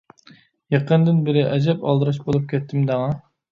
يېقىندىن بېرى ئەجەب ئالدىراش بولۇپ كەتتىم دەڭا.